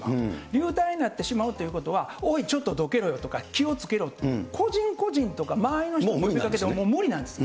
流体になってしまうということは、おい、ちょっとどけよとか、気をつけろって、個人個人とか、周りの人に呼びかけてももう無理なんです。